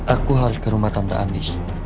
aku harus ke rumah tante anies